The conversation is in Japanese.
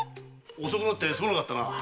⁉遅くなってすまなかったなあ。